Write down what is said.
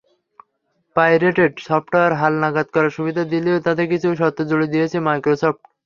Pirated software হালনাগাদ করার সুবিধা দিলেও তাতে কিছু শর্ত জুড়ে দিয়েছে মাইক্রোসফট।